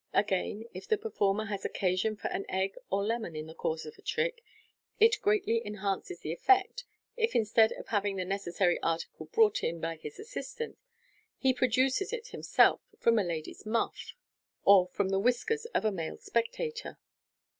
Again, if the performer has occasion for an egg or lemon in the course of a trick, it greatly enhances the effect, if instead of having the necessary article brought in by his assistant, he produces it himself from a lady's muff, or from the whiskers of a male spectator.